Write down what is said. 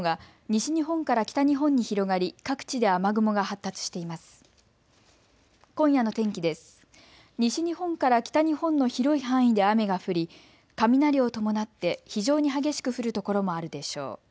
西日本から北日本の広い範囲で雨が降り、雷を伴って非常に激しく降る所もあるでしょう。